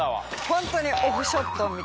ホントに。